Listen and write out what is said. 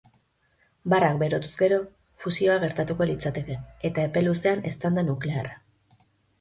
Barrak berotuz gero, fusioa gertatuko litzateke, eta epe luzean eztanda nuklearra.